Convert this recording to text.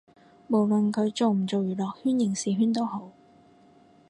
無論佢做唔做娛樂圈影視圈都好